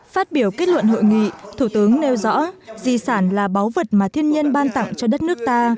phát biểu kết luận hội nghị thủ tướng nêu rõ di sản là báu vật mà thiên nhiên ban tặng cho đất nước ta